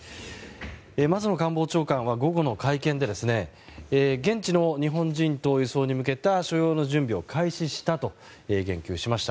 松野官房長官は午後の会見で現地の日本人等輸送について所要の準備を開始したと言及しました。